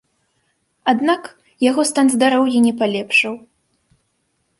Аднак яго стан здароўя не палепшаў.